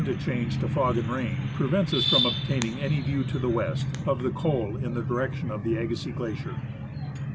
to change to fog and rain, prevents us from obtaining any view to the west of the col in the direction of the Agassiz Glacier.